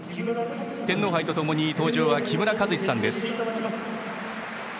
天皇杯とともに登場は木村和司さんです。